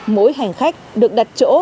mỗi hành khách được đặt chỗ